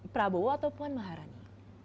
prabowo atau puan maharani